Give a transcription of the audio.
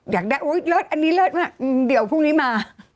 อยากได้อุ๊ยเลิศอันนี้เลิศมากเดี๋ยวพรุ่งนี้มา